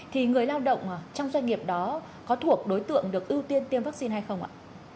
thì người lao động trong doanh nghiệp đó có thuộc đối tượng được ưu tiên tiêm vaccine hay không ạ